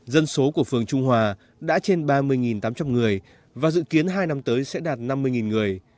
dân số của phường trung hòa đã trên ba mươi tám trăm linh người và dự kiến hai năm tới sẽ đạt năm mươi người